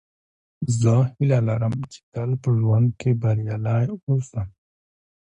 زه هیله لرم، چي تل په ژوند کښي بریالی اوسم.